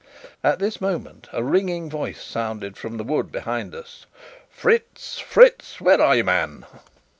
At this moment a ringing voice sounded from the wood behind us: "Fritz, Fritz! where are you, man?"